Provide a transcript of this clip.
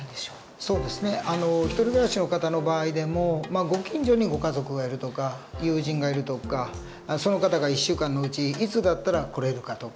そうですね独り暮らしの方の場合でもご近所にご家族がいるとか友人がいるとかその方が１週間のうちいつだったら来れるかとか